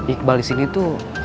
iqbal di sini tuh